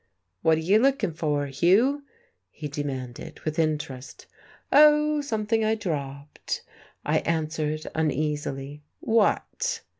"What are you looking for, Hugh?" he demanded with interest. "Oh, something I dropped," I answered uneasily. "What?"